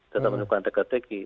tetap menimbulkan teka teki